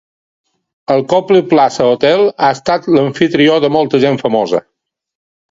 El Copley Plaza Hotel ha estat l'amfitrió de molta gent famosa.